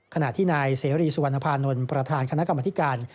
ขณะที่นายเสรีสุวรรณภานนท์ประธานคณะกรรมธิการ